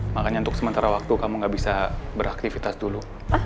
makanya untuk sementara waktu kamu ga bisa beraktifitas dulu